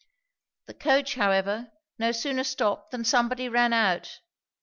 The coach, however, no sooner stopped than somebody ran out.